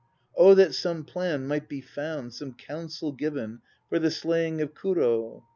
Oh that some plan might be found, some counsel given For the slaying of Kurd."